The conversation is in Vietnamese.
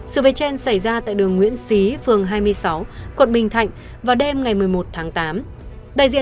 sự việc trên xảy ra tại đường nguyễn xí phường hai mươi sáu quận bình thạnh vào đêm ngày một mươi một tháng tám